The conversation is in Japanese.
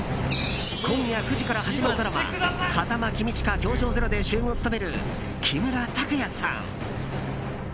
今夜９時から始まるドラマ「風間公親‐教場０‐」で主演を務める、木村拓哉さん。